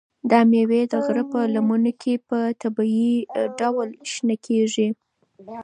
دا مېوې د غره په لمنو کې په طبیعي ډول شنه کیږي.